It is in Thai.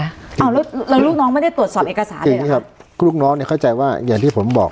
อ้าวแล้วลูกน้องไม่ได้ตรวจสอบเอกสารเลยเหรอคือลูกน้องเข้าใจว่าอย่างที่ผมบอก